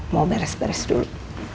mau beres beres dulu